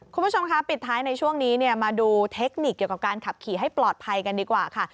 คุณผู้ชมคะปิดท้ายในช่วงนี้มาดูเทคนิคเกี่ยวกับการขับขี่ให้ปลอดภัยกันดีกว่าค่ะ